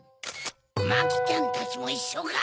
マキちゃんたちもいっしょか。